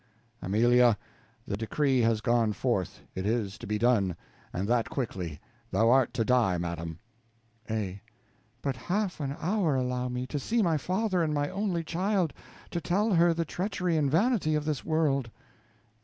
Amelia, the decree has gone forth, it is to be done, and that quickly; thou art to die, madam. A. But half an hour allow me, to see my father and my only child, to tell her the treachery and vanity of this world.